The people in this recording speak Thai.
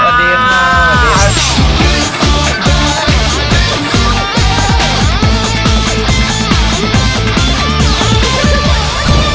สวัสดีครับ